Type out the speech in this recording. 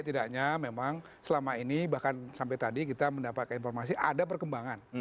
tidaknya memang selama ini bahkan sampai tadi kita mendapatkan informasi ada perkembangan